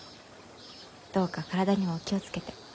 どうか体にお気を付けて。